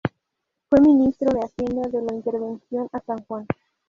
Fue Ministro de Hacienda de la intervención a San Juan.